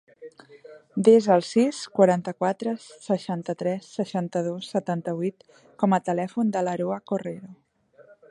Desa el sis, quaranta-quatre, seixanta-tres, seixanta-dos, setanta-vuit com a telèfon de l'Aroa Correro.